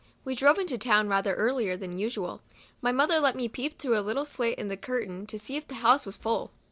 We drove into town rather earlier than usual. My mother let me peep through a little slit in the curtain to see if the house was full.